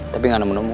tapi gak ada menemu